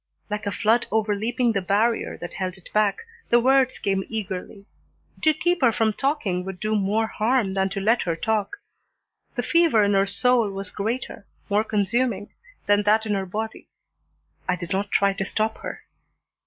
Like a flood overleaping the barrier that held it back, the words came eagerly. To keep her from talking would do more harm than to let her talk. The fever in her soul was greater, more consuming, than that in her body. I did not try to stop her.